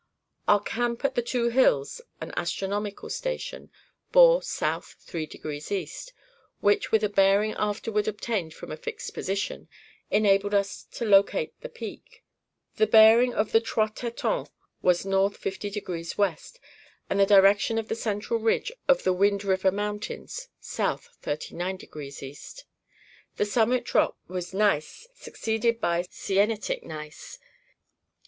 Our camp at the Two Hills (an astronomical station) bore south 3° east, which, with a bearing afterward obtained from a fixed position, enabled us to locate the peak. The bearing of the Trois Tetons was north 50° west, and the direction of the central ridge of the Wind River Mountains south 39° east. The summit rock was gneiss, succeeded by sienitic gneiss.